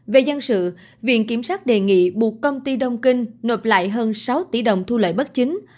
về dân sự viện kiểm sát đề nghị buộc công ty đông kinh nộp lại hơn sáu tỷ đồng thu lợi bất chính